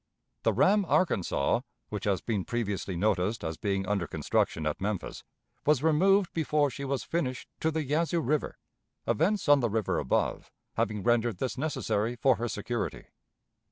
The ram Arkansas, which has been previously noticed as being under construction at Memphis, was removed before she was finished to the Yazoo River, events on the river above having rendered this necessary for her security.